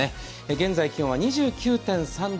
現在気温は２９．３度。